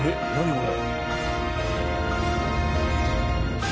これ。